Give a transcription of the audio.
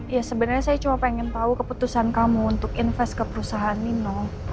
ya sebenarnya saya cuma pengen tahu keputusan kamu untuk invest ke perusahaan nino